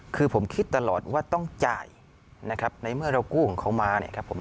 คือผมคิดตลอดว่าต้องจ่ายนะครับในเมื่อเรากู้ของเขามาเนี่ยครับผม